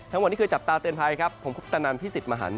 ทั้งวันนี้คือจับตาเตือนไพรผมคุกตะนันท์พี่สิทธิ์มหันธ์